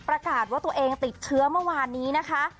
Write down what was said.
ประกาศว่าตัวเองติดเชื้อเมื่อวานนี้นะคะ